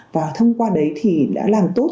và thông qua đấy thì đã làm tốt